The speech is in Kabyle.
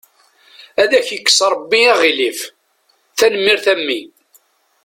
Ad ak-ikkes Rabbi aɣilif, tanemmirt a mmi.